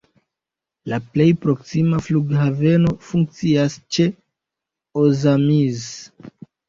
La plej proksima flughaveno funkcias ĉe Ozamiz.